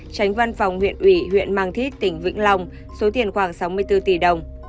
tránh văn phòng huyện ủy huyện mang thít tỉnh vĩnh long số tiền khoảng sáu mươi bốn tỷ đồng